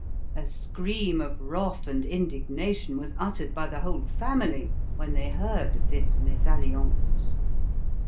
A scream of wrath and indignation was uttered by the whole family when they heard of this MESALLIANCE.